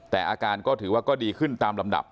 แต่อาการก็ถือว่าก็ดีขึ้นตามลำดับ